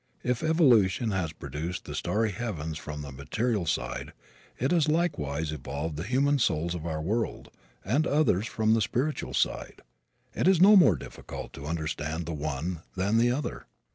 If evolution has produced the starry heavens from the material side it has likewise evolved the human souls of our world and others from the spiritual side. It is no more difficult to understand the one than the other.